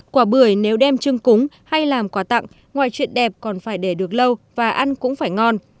quả bưởi nếu đem chưng cúng hay làm quà tặng ngoài chuyện đẹp còn phải để được lâu và ăn cũng phải ngon